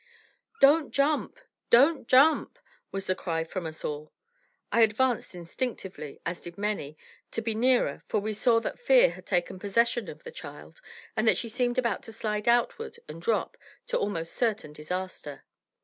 "Don't jump! Don't jump!" was the cry from us all. I advanced instinctively, as did many, to be nearer, for we saw that fear had taken possession of the child and that she seemed about to slide outward and drop to almost certain disaster.